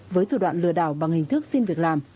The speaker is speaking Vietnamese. với thủ đoạn lừa đảo bằng hình thức xin việc làm